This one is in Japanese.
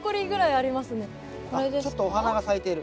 あちょっとお花が咲いてる。